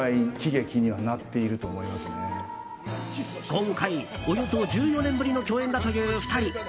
今回、およそ１４年ぶりの共演だという２人。